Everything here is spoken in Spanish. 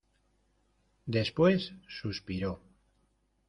después suspiró: